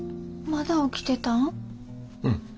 まだ起きてたん？